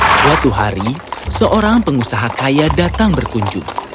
suatu hari seorang pengusaha kaya datang berkunjung